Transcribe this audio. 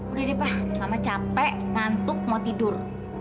udah deh pak mama capek ngantuk mau tidur